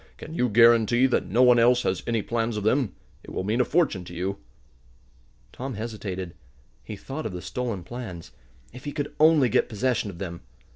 "Can you guarantee that no one else has any plans of them? It will mean a fortune to you." Tom hesitated. He thought of the stolen plans. If he could only get possession of them!